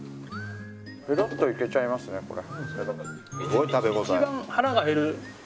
ペロッといけちゃいますねこれ。